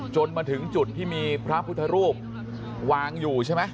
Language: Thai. จนมาถึงจุดที่มีพระพุทธรูปวางอยู่ใช่ไหม